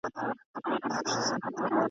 چي بې نصیبه څوک له کتاب دی ..